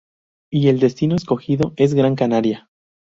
Y el destino escogido es Gran Canaria.